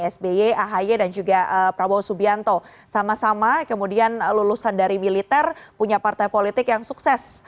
sby ahy dan juga prabowo subianto sama sama kemudian lulusan dari militer punya partai politik yang sukses